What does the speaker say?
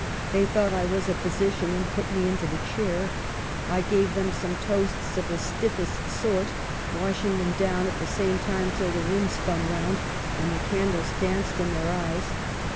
They thought I was a physi cian, and put me into the chair. I gave them some toasts of the stiffest sort ... washing them down at the same time till the room spun round and the candles danced in their eyes.